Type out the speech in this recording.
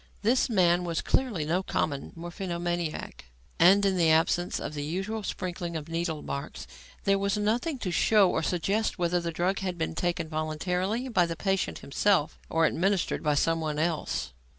This man was clearly no common morphinomaniac; and in the absence of the usual sprinkling of needlemarks, there was nothing to show or suggest whether the drug had been taken voluntarily by the patient himself or administered by someone else.